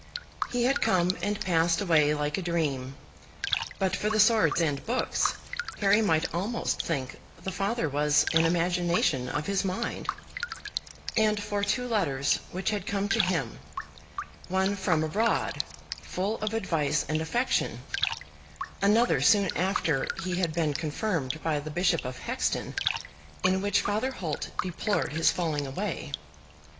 He had come and passed away like a dream; but for the swords and books Harry might almost think the Father was an imagination of his mind and for two letters which had come to him, one from abroad, full of advice and affection, another soon after he had been confirmed by the Bishop of Hexton, in which Father Holt deplored his falling away.